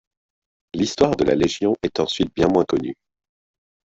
L'histoire de la légion est ensuite bien moins connue.